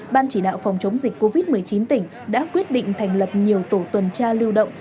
ban chỉ đạo phòng chống dịch covid một mươi chín tỉnh đã quyết định thành lập nhiều tổ tuần tra lưu động